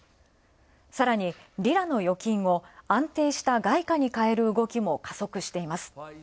さらにリラの預金を安定した外貨にかえる動きも加速しています。